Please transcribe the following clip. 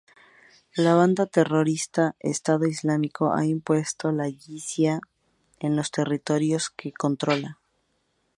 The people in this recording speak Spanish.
La banda terrorista Estado Islámico ha impuesto la yizia en los territorios que controla.